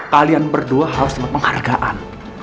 kalian berdua harus dapat penghargaan